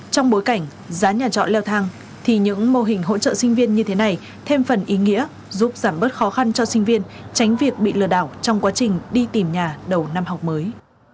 trong bối cảnh giá nhà chọn leo thang thì những mô hình hỗ trợ sinh viên như thế này thêm phần ý nghĩa giúp giảm bớt khó khăn cho sinh viên tránh việc bị lừa đảo trong quá trình đi tìm nhà đầu năm học mới